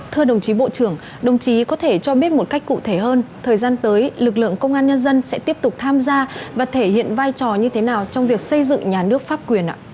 thưa đồng chí bộ trưởng đồng chí có thể cho biết một cách cụ thể hơn thời gian tới lực lượng công an nhân dân sẽ tiếp tục tham gia và thể hiện vai trò như thế nào trong việc xây dựng nhà nước pháp quyền ạ